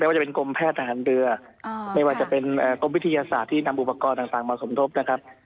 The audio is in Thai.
ว่าจะเป็นกรมแพทย์ทหารเรือไม่ว่าจะเป็นกรมวิทยาศาสตร์ที่นำอุปกรณ์ต่างมาสมทบนะครับ